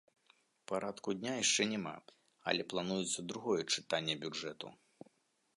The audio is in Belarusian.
Парадку дня яшчэ няма, але плануецца другое чытанне бюджэту.